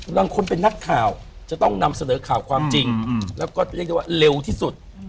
บางคนเป็นนักข่าวจะต้องนำเสนอข่าวความจริงแล้วก็เรียกได้ว่าเร็วที่สุด